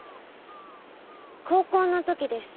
高校のときです。